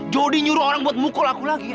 jody nyuruh orang buat mukul aku lagi